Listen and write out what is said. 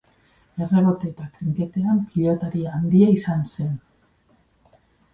Errebote eta trinketean pilotari handia izan zen.